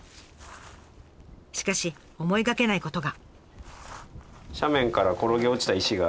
しかし思いがけないことが。